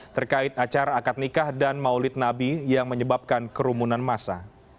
terkait acara akad nikah dan maulid nabi yang menyebabkan kerumunan masa